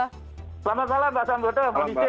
selamat malam pak sambodo